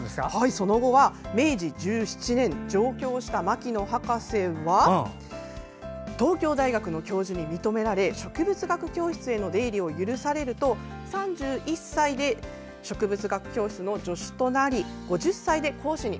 その後は明治１７年上京した牧野博士は東京大学の教授に認められ植物学教室への出入りを許されると３１歳で植物学教室の助手となり５０歳で講師に。